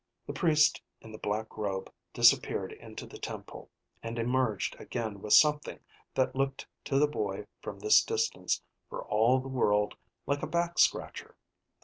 The priest in the black robe disappeared into the temple, and emerged again with something that looked to the boy from this distance for all the world like a back scratcher.